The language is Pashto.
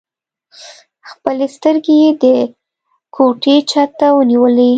خپلې سترګې يې د کوټې چت ته ونيولې.